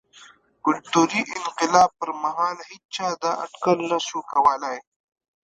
کلتوري انقلاب پر مهال هېچا دا اټکل نه شوای کولای.